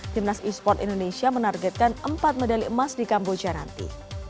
timnas e sports indonesia menargetkan empat medali emas di kamboja nanti